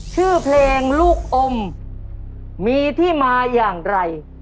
ชื่อเพลงลูกอมมีที่มาอย่างไร